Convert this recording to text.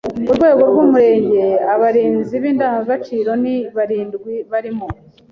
Ku rwego rw’Umurenge abarinzi b’indangagaciro ni barindwi; barimo